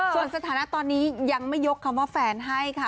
ส่วนสถานะตอนนี้ยังไม่ยกคำว่าแฟนให้ค่ะ